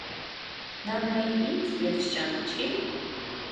նա նայի ինձ և չճանաչի՞…